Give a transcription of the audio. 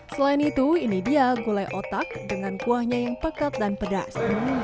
selain itu ini dia gulai otak dengan kuahnya yang pekat dan pedas